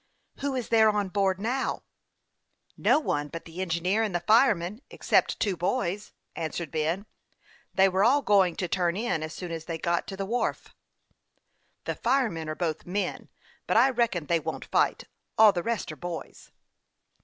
" Who is there on board now ?"" No one but the engineer and the fireman, except two boys," answered Ben. " They were all going to turn in as soon as they got to the wharf." 24* 282 ftASTE AND WASTE, OR " The firemen are both men, but I reckon they won't fight ; all the rest are boys."